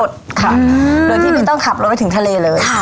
โดยที่ไม่ต้องขับรถไปถึงทะเลเลย